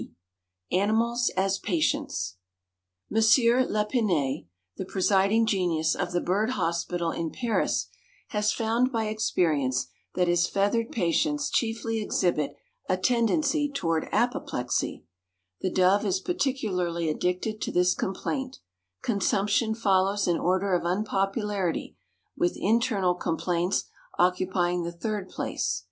ANIMALS AS PATIENTS. M. Lepinay, the presiding genius of the bird hospital in Paris, has found by experience that his feathered patients chiefly exhibit a tendency toward apoplexy the dove is particularly addicted to this complaint; consumption follows in order of unpopularity, with internal complaints occupying the third place.